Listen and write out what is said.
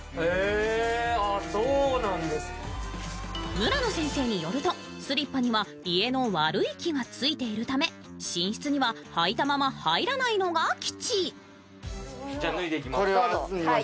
村野先生によると、スリッパには家の悪い気がついているため寝室には履いたまま入らないのが吉。